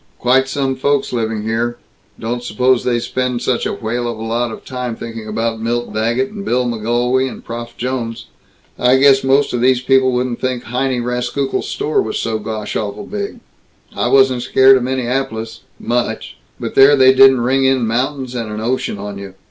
"Quite some folks living here. Don't suppose they spend such a whale of a lot of time thinking about Milt Daggett and Bill McGolwey and Prof Jones. I guess most of these people wouldn't think Heinie Rauskukle's store was so gosh awful big. I wasn't scared of Minneapolis much but there they didn't ring in mountains and an ocean on you.